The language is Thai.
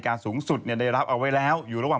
ก็ต้องช่วยเขา